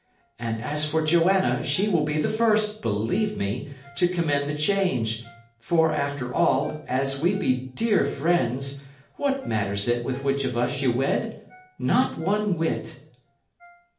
And as for Joanna, she will be the first, believe me, to commend the change; for, after all, as we be dear friends, what matters it with which of us ye wed? Not one whit!"